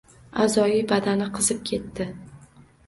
A’zoyi badani qizib ketdi.